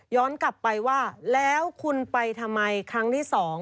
กลับไปว่าแล้วคุณไปทำไมครั้งที่๒